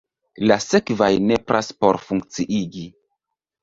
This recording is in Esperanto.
La sekvaj nepras por funkciigi.